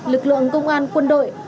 lực lượng công an quân đội